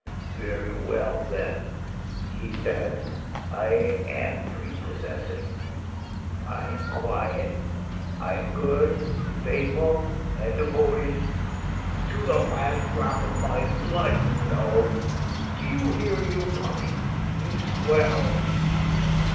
" Very well, then," he said, " I am prepossessing, I am quiet, I am good, faithful and devoted ; to the last drop of my blood you know ... do you hear, you puppy, you swell